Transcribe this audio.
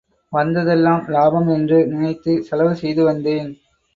வந்ததெல்லாம் லாபம் என்று நினைத்து செலவு செய்து வந்தேன்.